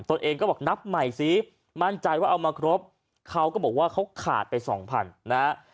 ตัวเองก็บอกนับใหม่สิมั่นใจว่าเอามาครบเขาก็บอกว่าเขาขาดไปสองพันนะฮะ